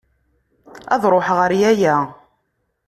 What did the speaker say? Ad ṛuḥeɣ ɣer yaya.